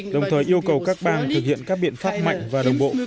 đồng thời yêu cầu các bang thực hiện các biện pháp mạnh và đồng bộ